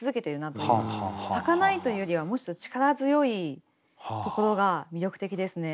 はかないというよりはむしろ力強いところが魅力的ですね。